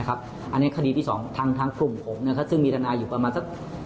อันนี้คดีที่๒ทางกลุ่มผมซึ่งมีทนายอยู่ประมาณสัก